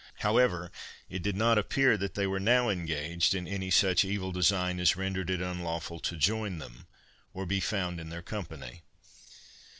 However, it did not appear that they were now engaged in any such evil design as rendered it unlawful to join them, or be found in their company.